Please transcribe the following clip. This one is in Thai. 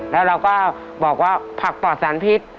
แล้วเราก็บอกว่าผักปอดสารพิษ